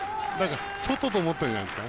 外と思ったんじゃないですか。